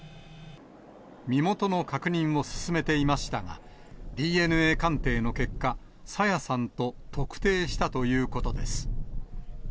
身元の確認を進めていましたが、ＤＮＡ鑑定の結果、朝芽さんと特定したということです。